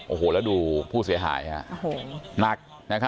โอ้โหแล้วดูผู้เสียหายหนัก